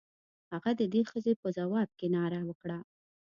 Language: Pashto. هغه د دې ښځې په ځواب کې ناره وکړه.